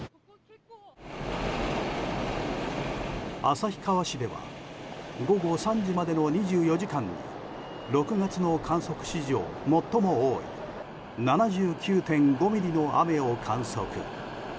旭川市では午後３時までの２４時間に６月の観測史上最も多い７９．５ミリの雨を観測。